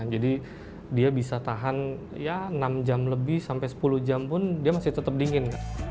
jadi dia bisa tahan enam jam lebih sampai sepuluh jam pun dia masih tetap dingin